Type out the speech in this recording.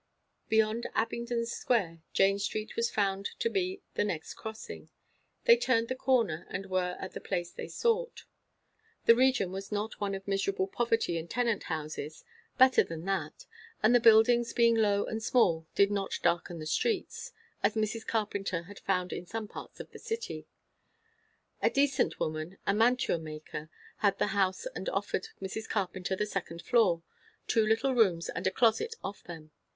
Beyond Abingdon Square Jane Street was found to be the next crossing. They turned the corner and were at the place they sought. The region was not one of miserable poverty and tenant houses. Better than that; and the buildings being low and small did not darken the streets, as Mrs. Carpenter had found in some parts of the city. A decent woman, a mantua maker, had the house and offered Mrs. Carpenter the second floor; two little rooms and a closet off them.